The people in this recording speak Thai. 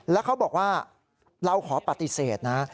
แล้วเขาบอกว่าเราขอปฏิเสธนะ